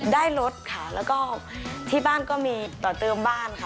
ได้รถค่ะแล้วก็ที่บ้านก็มีต่อเติมบ้านค่ะ